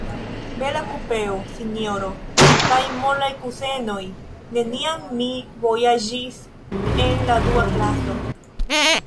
Bela kupeo, sinjoro, kaj molaj kusenoj; neniam mi vojaĝis en la dua klaso.